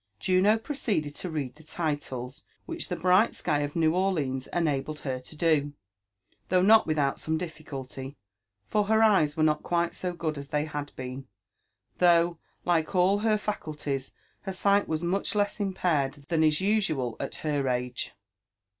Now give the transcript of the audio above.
Juno proceeded to read (he titles, iKrhich the bright sky of New Or leans enabled her to do, though not without some difficulty, for her eyes were not quite so good as they had been ; though, like all her faculties, her sight was much less impaired than is usual at her age.